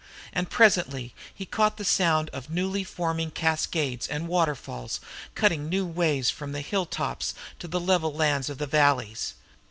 And presently he caught the sound of newly forming cascades and waterfalls, cutting new ways from the hilltops to the level lands of the valleys.